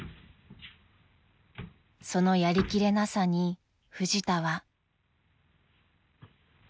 ［そのやりきれなさにフジタは］